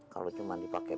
kalau cuma dipakai umi bahir